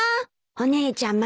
お姉ちゃん。